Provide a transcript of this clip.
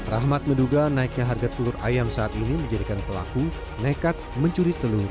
rahmat menduga naiknya harga telur ayam saat ini menjadikan pelaku nekat mencuri telur